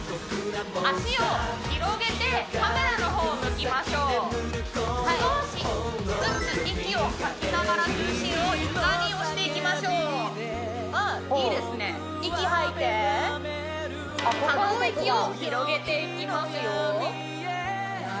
脚を広げてカメラの方を向きましょう少しずつ息を吐きながら重心を床に押していきましょうあっいいですね息吐いて可動域を広げていきますよあっ